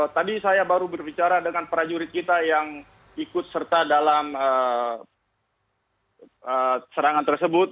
tadi saya baru berbicara dengan prajurit kita yang ikut serta dalam serangan tersebut